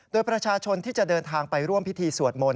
โดยประชาชนที่จะเดินทางไปร่วมพิธีสวดมนต